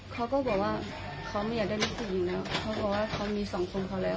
เขาก็บอกว่าเขาไม่อยากได้ลูกผู้หญิงอยู่แล้วเขาบอกว่าเขามีสองคนเขาแล้ว